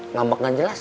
ngambek gak jelas